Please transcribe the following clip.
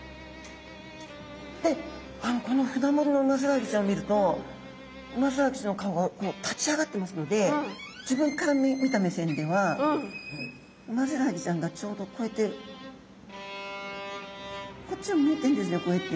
でこのふなもりのウマヅラハギちゃんを見るとウマヅラハギちゃんの顔が立ち上がってますので自分から見た目線ではウマヅラハギちゃんがちょうどこうやってこっちをむいてんですねこうやって。